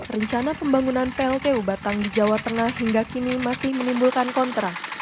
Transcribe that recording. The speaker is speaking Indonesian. rencana pembangunan pltu batang di jawa tengah hingga kini masih menimbulkan kontra